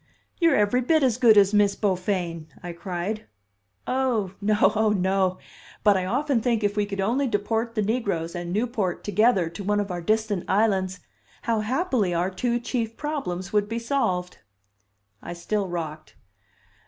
"You're every bit as good as Miss Beaufain," I cried. "Oh, no; oh, no! But I often think if we could only deport the negroes and Newport together to one of our distant islands, how happily our two chief problems would be solved!" I still rocked.